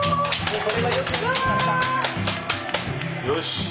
よし。